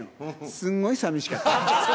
すんごいさみしかった。